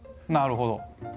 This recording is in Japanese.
なるほど。